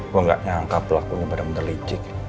gue nggak nyangka pelakunya pada menerlijik